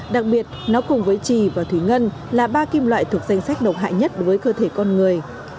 đặc biệt nó cùng với trì và thủy ngân là ba kim loại thuộc danh sách độc hại nhất với cơ thể con người